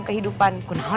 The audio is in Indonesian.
gini dulu bapak